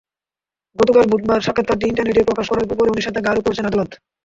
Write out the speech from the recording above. গতকাল বুধবার সাক্ষাৎকারটি ইন্টারনেটে প্রকাশ করার ওপরও নিষেধাজ্ঞা আরোপ করেছেন আদালত।